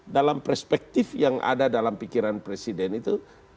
dalam perspektif yang ada dalam pikiran presiden itu